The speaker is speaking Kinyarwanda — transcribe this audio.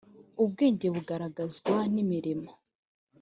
ubwenge bugaragazwa n imirimo